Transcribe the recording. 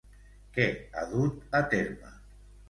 Què ha dut a terme?